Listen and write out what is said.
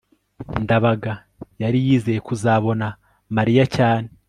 ndabaga yari yizeye kuzabona mariya cyane